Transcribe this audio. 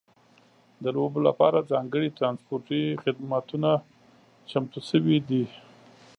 د لوبو لپاره ځانګړي ترانسپورتي خدمتونه چمتو شوي دي.